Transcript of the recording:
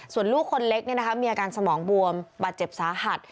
ส่วนลูกคนเล็กมีอาการสมองบวมบาดเจ็บสาหัส